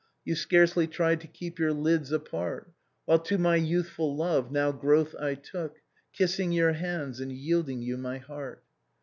You scarcely tried to keep your lids apart. While to my youthful love new growth I took. Kissing your hands and yielding you my heart.